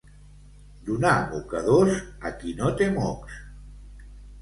Donar mocadors a qui no té mocs.